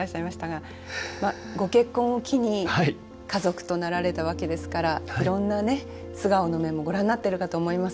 ご結婚を機に家族となられたわけですからいろんなね素顔の面もご覧になってるかと思います。